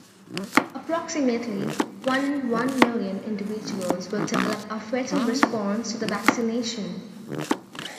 Approximately one in one million individuals will develop a fatal response to the vaccination.